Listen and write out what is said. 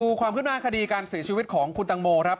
ความขึ้นหน้าคดีการเสียชีวิตของคุณตังโมครับ